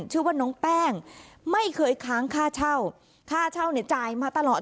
ชื่อว่าน้องแป้งไม่เคยค้างค่าเช่าค่าเช่าเนี่ยจ่ายมาตลอด